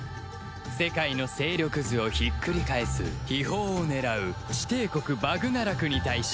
世界の勢力図をひっくり返す秘宝を狙う地帝国バグナラクに対し